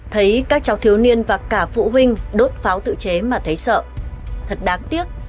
thấy các cháu thiếu niên và cả phụ huynh đốt pháo tự chế mà thấy sợ thật đáng tiếc